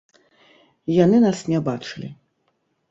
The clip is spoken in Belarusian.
Яны нас не бачылі.